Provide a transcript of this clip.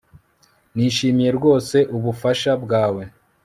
Nishimiye rwose ubufasha bwawe